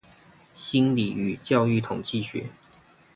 心理與教育統計學